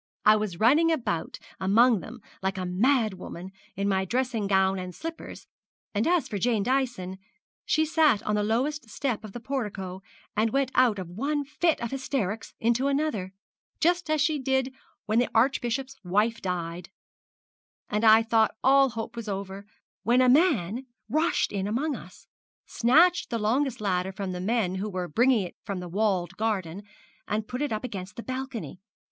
I was running about among them all like a mad woman, in my dressing gown and slippers; and as for Jane Dyson, she sat on the lowest step of the portico, and went out of one fit of hysterics into another, just as she did when the Archbishop's wife died; and I thought all hope was over, when a man rushed in among us, snatched the longest ladder from the men who were bringing it from the walled garden, and put it up against the balcony.